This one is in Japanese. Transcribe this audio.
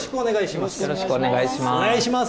よろしくお願いします。